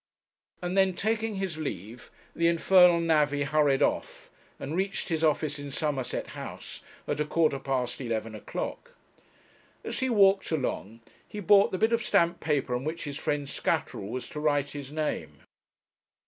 And then taking his leave the infernal navvy hurried off, and reached his office in Somerset House at a quarter past eleven o'clock. As he walked along he bought the bit of stamped paper on which his friend Scatterall was to write his name.